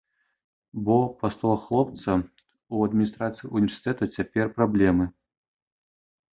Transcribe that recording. Бо, па словах хлопца, у адміністрацыі ўніверсітэта цяпер праблемы.